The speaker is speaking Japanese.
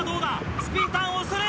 スピンターンをする！